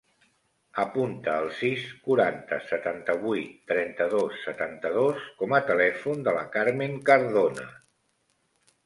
Apunta el sis, quaranta, setanta-vuit, trenta-dos, setanta-dos com a telèfon de la Carmen Cardona.